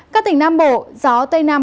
các tỉnh nam bộ gió tây nam